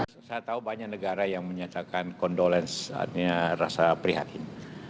saya tahu banyak negara yang menyatakan condolence artinya rasa prihatin